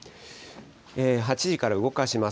８時から動かします。